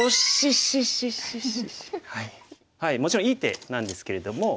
もちろんいい手なんですけれども。